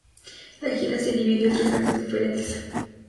La gira se dividió en tres actos diferentes.